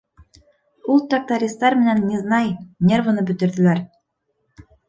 Ул трактористар менән незнай, нервыны бөтөрҙөләр.